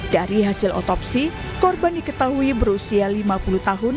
dari hasil otopsi korban diketahui berusia lima puluh tahun